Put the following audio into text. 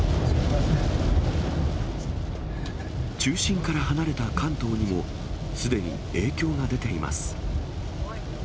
中心から離れた関東にも、すでに影響が出ています。